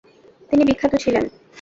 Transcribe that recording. তিনি বিখ্যাত ছিলেন।